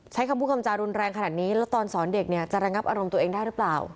ใช้คำพูดคำจารุนแรงขนาดนี้แล้วตอนสอนเด็กเนี่ยจะระงับอารมณ์ตัวเองได้หรือเปล่า